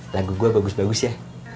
lagu gue bagus bagus ya